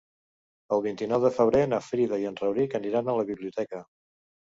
El vint-i-nou de febrer na Frida i en Rauric aniran a la biblioteca.